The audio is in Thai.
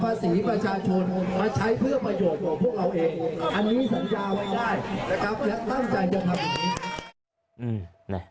อันนี้สัญญาไว้ได้นะครับและตั้มใจจะทำอย่างนี้